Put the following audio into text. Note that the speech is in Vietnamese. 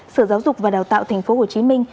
sở giáo dục và đào tạo thành phố hồ chí minh